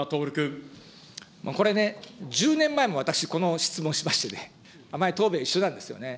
これね、１０年前も私、この質問しましてね、前、答弁一緒なんですよね。